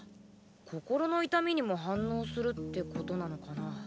心の痛みにも反応するってことなのかな。